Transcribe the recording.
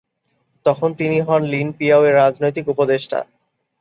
তখন তিনি হন লিন পিয়াও-এর রাজনৈতিক উপদেষ্টা।